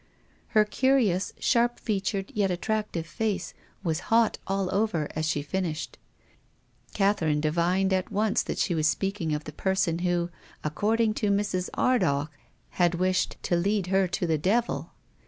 Her curious, sharp featured, yet attractive, face was hot all over as she finished. Catherine divined at once that she was speaking of the person who, according to Mrs. Ardagh, had wished " to lead her to the devil."